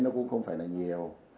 nó cũng không phải là nhiều